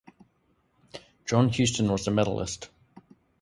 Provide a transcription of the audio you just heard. John Huston was the medallist.